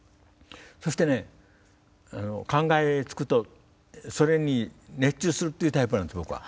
そしてね考えつくとそれに熱中するっていうタイプなんです僕は。